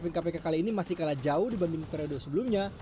pada saat tercapai kpk kali ini masih kalah jauh dibanding periode sebelumnya